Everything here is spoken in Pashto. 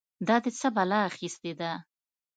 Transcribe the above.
دا دې څه بلا اخيستې ده؟!